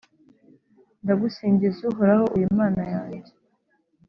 Ndagusingiza Uhoraho, uri Imana yanjye,